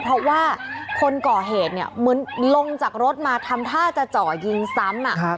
เพราะว่าคนก่อเหตุเนี่ยเหมือนลงจากรถมาทำท่าจะเจาะยิงซ้ำ